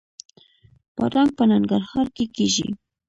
بادرنګ په ننګرهار کې کیږي